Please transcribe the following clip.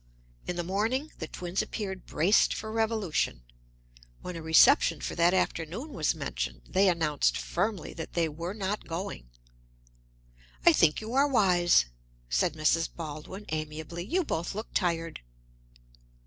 In the morning the twins appeared braced for revolution. When a reception for that afternoon was mentioned, they announced firmly that they were not going. "I think you are wise," said Mrs. Baldwin amiably. "You both look tired."